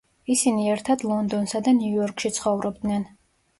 ისინი ერთად ლონდონსა და ნიუ-იორკში ცხოვრობდნენ.